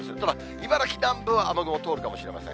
茨城南部は雨雲通るかもしれません。